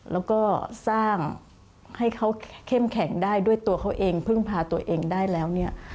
แล้วก็สร้างให้เขาเข้มแข็งได้ด้วยตัวเขาเองพึ่งพาตัวเองได้แล้วเนี่ย